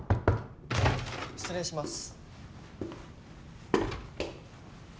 失礼します。